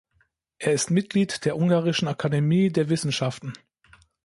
Er ist Mitglied der Ungarischen Akademie der Wissenschaften.